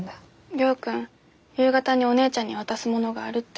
亮君夕方にお姉ちゃんに渡すものがあるって。